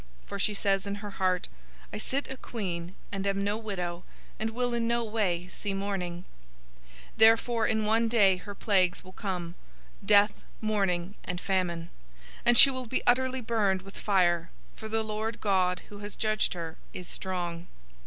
For she says in her heart, 'I sit a queen, and am no widow, and will in no way see mourning.' 018:008 Therefore in one day her plagues will come: death, mourning, and famine; and she will be utterly burned with fire; for the Lord God who has judged her is strong.